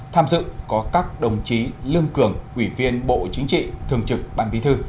tham dự có các đồng chí lương cường quỷ viên bộ chính trị thường trực bản bí thư